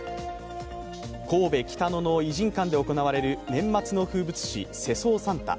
神戸・北野の異人館で行われる年末の風物詩、世相サンタ。